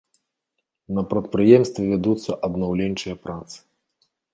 На прадпрыемстве вядуцца аднаўленчыя працы.